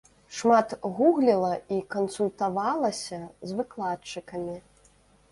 Шмат гугліла і кансультавалася з выкладчыкамі.